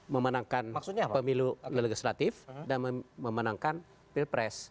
memenangkan pemilu legislatif dan memenangkan pilpres